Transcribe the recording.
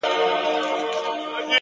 و ذهن ته دي بيا د بنگړو شرنگ در اچوم ـ